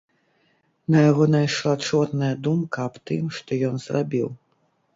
На яго найшла чорная думка аб тым, што ён зрабіў.